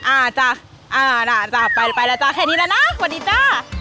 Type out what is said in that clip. อ่าจ๊ะไปแล้วจ๊ะแค่นี้แล้วนะสวัสดีจ๊ะ